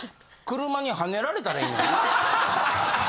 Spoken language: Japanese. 車にはねられたらええのに。